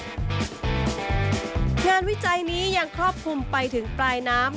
วิจัยนี้ยังครอบคลุมไปถึงปลายน้ำ